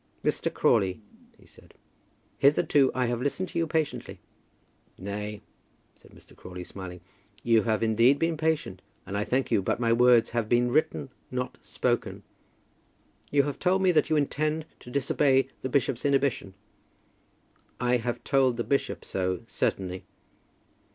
"Mr. Crawley," he said, "hitherto I have listened to you patiently." "Nay," said Mr. Crawley, smiling, "you have indeed been patient, and I thank you; but my words have been written, not spoken." "You have told me that you intend to disobey the bishop's inhibition." "I have told the bishop so certainly."